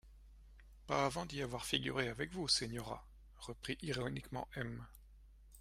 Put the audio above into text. Pas avant d'y avoir figuré avec vous, señora, reprit ironiquement M.